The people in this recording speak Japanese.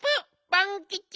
パンキチ。